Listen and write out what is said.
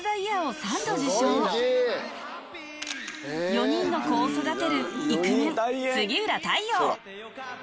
４人の子を育てるイクメン杉浦太陽